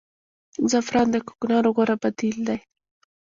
زعفران د کوکنارو غوره بدیل دی